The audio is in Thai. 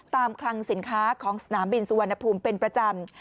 คลังสินค้าของสนามบินสุวรรณภูมิเป็นประจำ